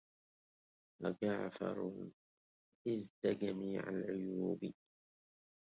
أجعفر حزت جميع العيوب